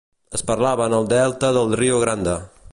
Es parlaven al delta del Rio Grande.